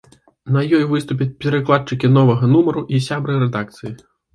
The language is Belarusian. На ёй выступяць перакладчыкі новага нумару і сябры рэдакцыі.